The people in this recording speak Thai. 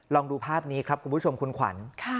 ลองดูภาพนี้ครับคุณผู้ชมคุณขวัญ